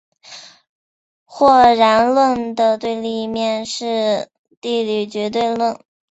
或然论的对立面是地理决定论。